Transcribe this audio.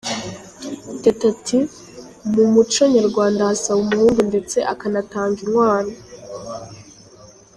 Teta ati: "Mu muco nyarwanda hasaba umuhungu ndetse akanatanga inkwano.